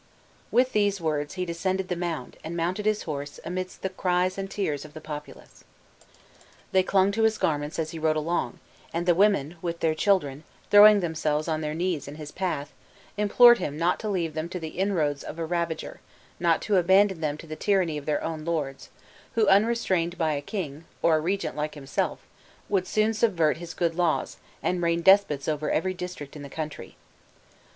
With these words he descended the mound, and mounted his horse, amidst the cries and tears of the populace. They clung to his garments as he rode along; and the women, with their children, throwing themselves on their knees in his path, implored him not to leave them to the inroads of a ravager; not to abandon them to the tyranny of their own lords; who, unrestrained by a king, or a regent like himself, would soon subvert his good laws, and reign despots over every district in the country.